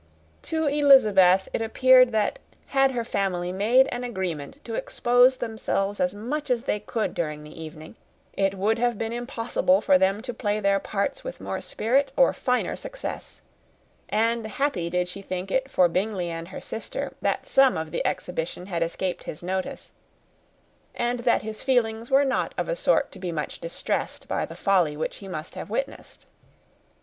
To Elizabeth it appeared, that had her family made an agreement to expose themselves as much as they could during the evening, it would have been impossible for them to play their parts with more spirit, or finer success; and happy did she think it for Bingley and her sister that some of the exhibition had escaped his notice, and that his feelings were not of a sort to be much distressed by the folly which he must have witnessed.